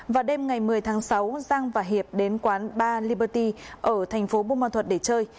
vào đêm ngày một mươi tháng sáu giang và hiệp đến quán bar liberty ở thành phố bù mà thuật để chơi